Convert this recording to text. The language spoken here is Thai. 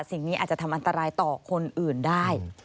สิ่งนี้อาจจะทำอันตรายต่อคนอื่นได้